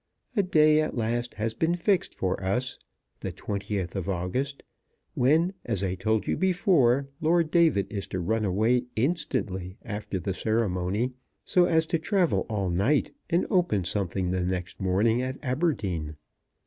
A day at last has been fixed for us; the 20th of August, when, as I told you before, Lord David is to run away instantly after the ceremony so as to travel all night and open something the next morning at Aberdeen.